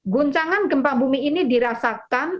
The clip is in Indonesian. guncangan gempa bumi ini dirasakan